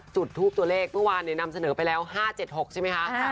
จุดทูปตัวเลขเมื่อวานนำเสนอไปแล้ว๕๗๖ใช่ไหมคะ